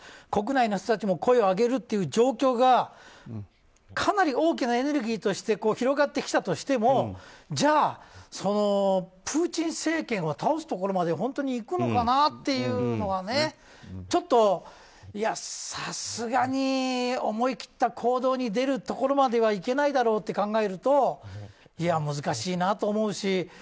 国内の人たちも声を上げるという状況がかなり大きなエネルギーとして広がってきたとしてもじゃあ、プーチン政権を倒すところまで本当にいくのかなというのはちょっとさすがに思い切った行動に出るところまではいけないだろうと考えると難しいなと思うし。